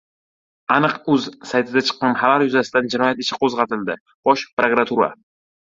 "Aniq.uz" saytida chiqqan xabar yuzasidan jinoyat ishi qo‘zg‘atildi — Bosh prokuratura